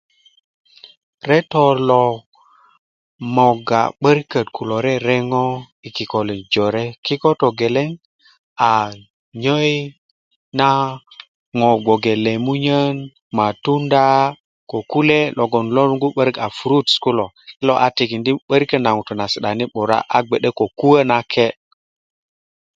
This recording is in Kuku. Reto lo mogga 'borikot kulo rereŋo yi kikolin jore . Kiko' togeleŋ a nyoi na ŋo' gbo ge lemunyo matunda ,ko kule' logon lo luŋgu 'borik a puruts kulo , kilo a tikindi' 'borikot na ŋutu' na si'dani 'bura a gbe'de ,ko kuwo nake